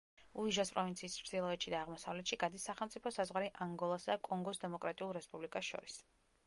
უიჟეს პროვინციის ჩრდილოეთში და აღმოსავლეთში გადის სახელმწიფო საზღვარი ანგოლასა და კონგოს დემოკრატიულ რესპუბლიკას შორის.